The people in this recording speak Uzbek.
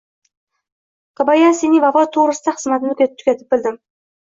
Kobayasining vafoti to`g`risida xizmatni tugatib bildim